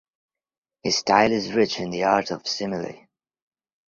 His style is rich in the art of simile.